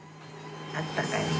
あったかいな。